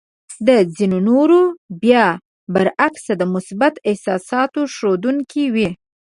د ځينو نورو بيا برعکس د مثبتو احساساتو ښودونکې وې.